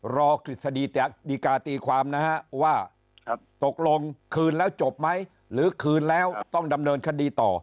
กฤษฎีกาตีความนะฮะว่าตกลงคืนแล้วจบไหมหรือคืนแล้วต้องดำเนินคดีต่อ